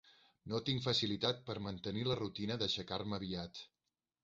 No tinc facilitat per mantenir la rutina d'aixecar-me aviat.